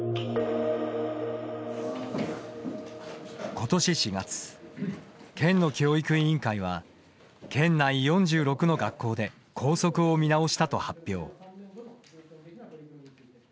ことし４月、県の教育委員会は県内４６の学校で校則を見直したと発表。